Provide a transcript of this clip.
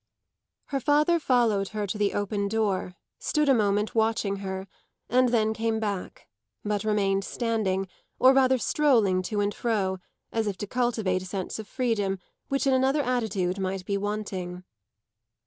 Her father followed her to the open door, stood a moment watching her, and then came back, but remained standing, or rather strolling to and fro, as if to cultivate a sense of freedom which in another attitude might be wanting.